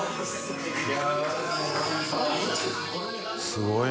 すごい！